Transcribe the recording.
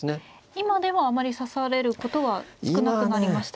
今ではあまり指されることは少なくなりましたか。